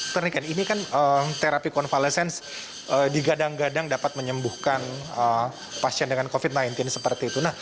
pak niken ini kan terapi konvalesen digadang gadang dapat menyembuhkan pasien dengan covid sembilan belas seperti itu